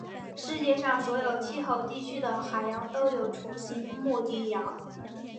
世界上所有气候地区的海洋都有鹱形目的鸟。